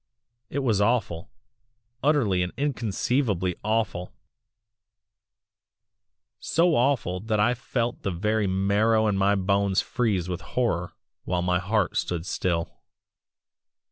"It was awful utterly and inconceivably AWFUL so awful that I felt the very marrow in my bones freeze with horror while my heart stood still.